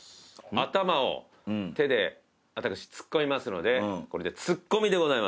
頭を手で私ツッコみますのでこれで「ツッコミ」でございます。